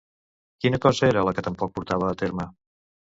Quina cosa era la que tampoc portava a terme?